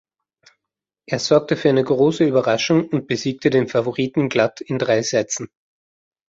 Er sorgte für eine große Überraschung und besiegte den Favoriten glatt in drei Sätzen.